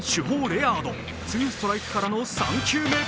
レアード２ストライクからの３球目。